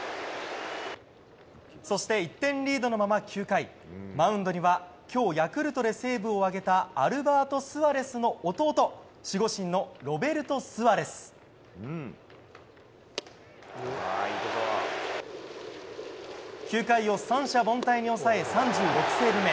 そして１点リードのまま９回マウンドには今日、ヤクルトでセーブを挙げたアルバート・スアレスの弟守護神のロベルト・スアレス。９回を三者凡退に抑え３６セーブ目。